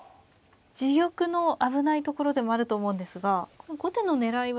自玉の危ないところでもあると思うんですが後手の狙いは。